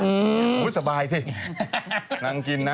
อุ๊ยสบายสินั่งกินน้ำ